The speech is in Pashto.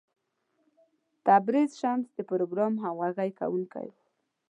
تبریز شمس د پروګرام همغږی کوونکی و.